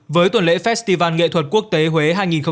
với tuần lễ festival nghệ thuật quốc tế huế hai nghìn hai mươi bốn